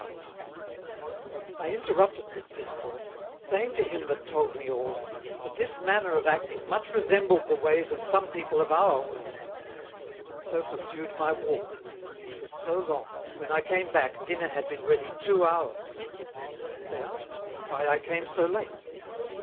[Sidenote: Telling the Time] I interrupted this Discourse, saying to him that told me all, That this Manner of Acting much resembled the ways of some People of our World; and so pursued my Walk, which was so long that when I came back Dinner had been ready Two Hours. They asked me, why I came so late?